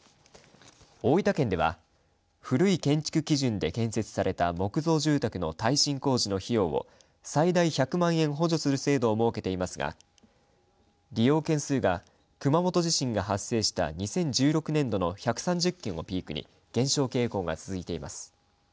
大分県では古い建築基準で建設された木造住宅の耐震工事の費用を最大１００万円補助する制度を設けていますが利用件数が熊本地震が発生した２０１６年度の１３０件をピークに減少傾向が続いています。